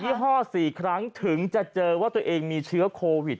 ี่ห้อ๔ครั้งถึงจะเจอว่าตัวเองมีเชื้อโควิด